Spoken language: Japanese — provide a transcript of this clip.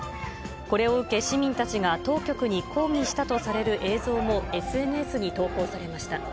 これを受け、市民たちが当局に抗議したとされる映像もＳＮＳに投稿されました。